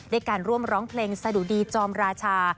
ด้วยการร่วมร้องเพลงสะดุดีจอมราชา